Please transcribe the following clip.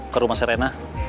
ke rumah serena